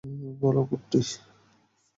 বল, কুট্টি।